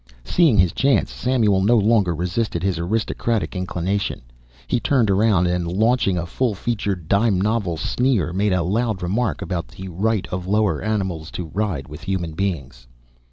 Seeing his chance, Samuel no longer resisted his aristocratic inclination. He turned around and, launching a full featured, dime novel sneer, made a loud remark about the right of the lower animals to ride with human beings.